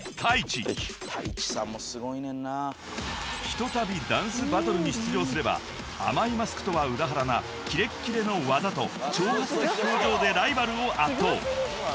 ［ひとたびダンスバトルに出場すれば甘いマスクとは裏腹なキレッキレの技と挑発的表情でライバルを圧倒］